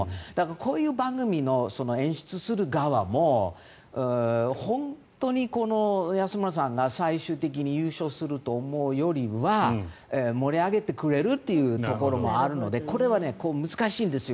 こういう番組の演出する側も本当に安村さんが最終的に優勝すると思うよりは盛り上げてくれるっていうところもあるのでこれは難しいんですよ。